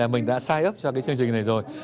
mình đã sign up cho cái chương trình này rồi